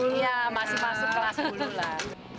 iya masih masuk kelas bulu lah